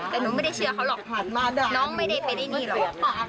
แต่หนูไม่ได้เชื่อเขาหรอกผ่านมาได้น้องไม่ได้ไปได้นี่หรอก